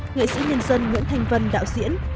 nghệ sĩ nhân dân nguyễn thành vân đạo diễn